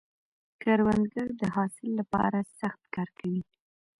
کروندګر د حاصل له پاره سخت کار کوي